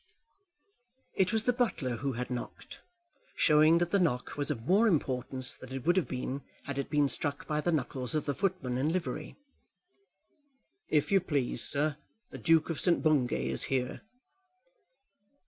It was the butler who had knocked, showing that the knock was of more importance than it would have been had it been struck by the knuckles of the footman in livery. "If you please, sir, the Duke of St. Bungay is here."